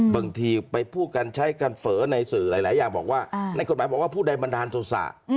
บางทีไปพูดกันใช้กันเฝอในสื่อหลายอย่างบอกว่าในกฎหมายบอกว่าผู้ใดบันดาลโทษะ